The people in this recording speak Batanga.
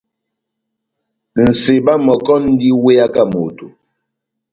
Nʼseba mɔkɔ múndi múweyaka moto.